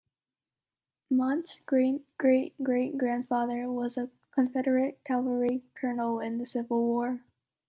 Mount's great-great-great grandfather was a Confederate cavalry colonel in the Civil War.